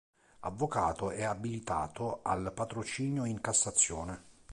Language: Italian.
Avvocato e abilitato al patrocinio in Cassazione.